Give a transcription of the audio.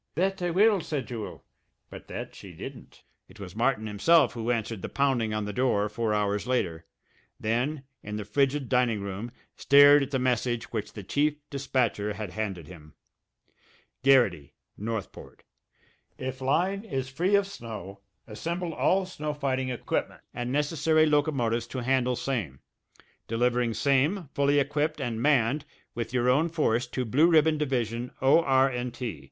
"That I will," said Jewel but that she didn't. It was Martin himself who answered the pounding on the door four hours later, then, in the frigid dining room, stared at the message which the chief dispatcher had handed him: GARRITY, NORTHPORT: If line is free of snow assemble all snow fighting equipment and necessary locomotives to handle same, delivering same fully equipped and manned with your own force to Blue Ribbon Division O.R. & T.